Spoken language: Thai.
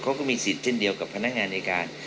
เขาก็มีสิทธิ์เช่นเดียวกับพนักงานในการ